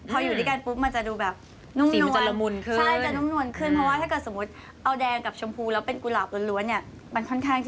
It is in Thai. พออยู่ด้วยกันปุ๊บมันจะดูแบบนุ่มนวนสีมันจะรมุนขึ้น